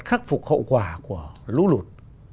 khắc phục hậu quả của lũ lụt